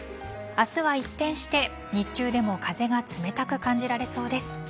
明日は一転して日中でも風が冷たく感じられそうです。